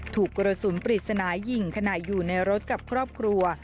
ถูกกระสุนปริศนายิงขณะอยู่ในรถกับครอบครัว